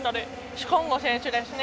シコンゴ選手ですね。